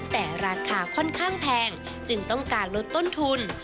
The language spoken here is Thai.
แต่ราคาค่อนข้างแพงจึงต้องการลดต้นทุน